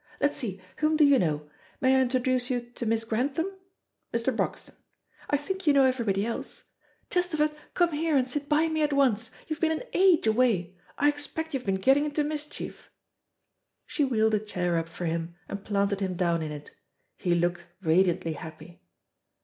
Let's see, whom do you know? May I introduce you to Miss Grantham? Mr. Broxton. I think you know everybody else. Chesterford, come here and sit by me at once. You've been an age away. I expect you've been getting into mischief." She wheeled a chair up for him, and planted him down in it. He looked radiantly happy.